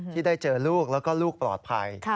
ที่ได้เจอลูกแล้วก็ลูกปลอดภัย